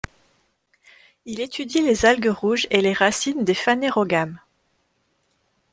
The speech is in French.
Il étudie les algues rouges et les racines des phanérogames.